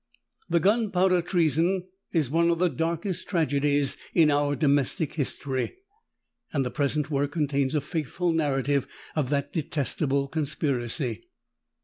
The Gunpowder Treason is one of the darkest tragedies in our domestic history: and the present work contains a faithful narrative of that detestable conspiracy.